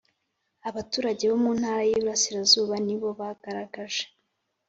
Abaturage bo mu ntara y Iburasirazuba nibo bagaragaje